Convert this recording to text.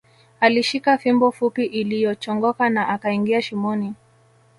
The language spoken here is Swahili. Alishika fimbo fupi iliyochongoka na akaingia shimoni